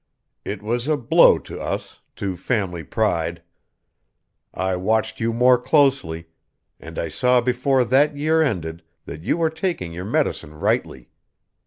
It was a blow to us to family pride. I watched you more closely, and I saw before that year ended that you were taking your medicine rightly.